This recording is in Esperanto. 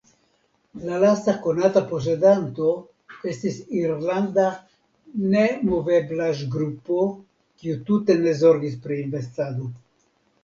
La lasta konata posedanto estis irlanda nemoveblaĵgrupo kiu tute ne zorgis pri investado.